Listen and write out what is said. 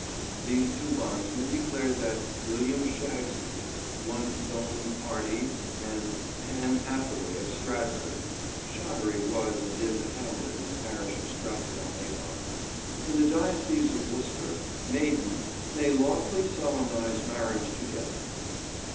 These two bondsmen declared that "William Shagspere, one thone partie and Anne Hathaway of Stratford" (Shottery was and is a hamlet in the parish of Stratford on Avon) "in the dioces of Worcester, maiden, may lawfully solemnize marriage together."